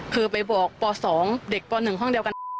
คือไปบอกปสองเด็กปหนึ่งห้องเดียวกัน